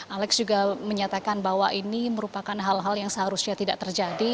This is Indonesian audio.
alex juga menyatakan bahwa ini merupakan hal hal yang seharusnya tidak terjadi